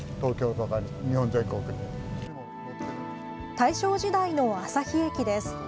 大正時代の旭駅です。